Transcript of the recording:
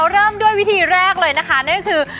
เริ่มด้วยวิธีแรกเลยคือ